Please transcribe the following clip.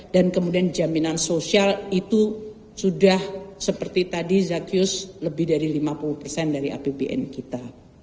dan kemudian jaminan sosial itu sudah seperti tadi zacius lebih dari lima puluh dari apbn kita